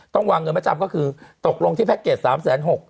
ต้องวางเงินประจำก็คือตกลงที่แพ็คเกจ๓๖๐๐